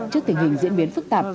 trước tình hình diễn biến phức tạp